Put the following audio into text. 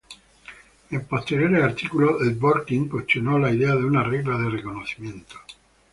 En posteriores artículos Dworkin cuestionó la idea de una regla de reconocimiento.